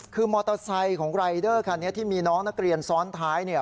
คือมอเตอร์ไซค์ของรายเดอร์คันนี้ที่มีน้องนักเรียนซ้อนท้ายเนี่ย